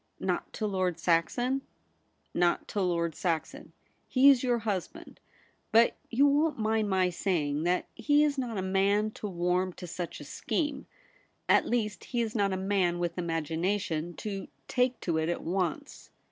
* Not to Lord Saxon ?'* Not to Lord Saxon. He is your hus band ; but you won't mind my saying that he is not a man to warm to such a scheme. At least, he is not a man with imagination to take to it at once.'